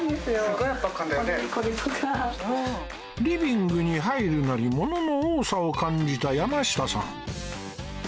リビングに入るなりものの多さを感じたやましたさん